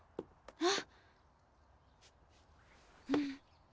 あっ！